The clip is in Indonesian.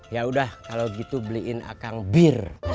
ya udah kalau gitu beliin akang bir